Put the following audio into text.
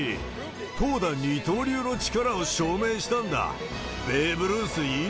投打二刀流の力を証明したんだ。